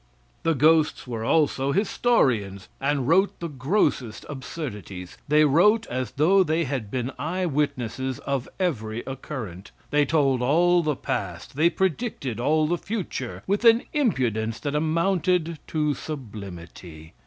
The ghosts were also historians, and wrote the grossest absurdities. They wrote as though they had been eye witnesses of every occurrence. They told all the past, they predicted all the future, with an impudence that amounted to sublimity.